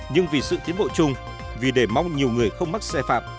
nhưng vì sự tiến bộ chung vì để mong nhiều người không mắc sai phạm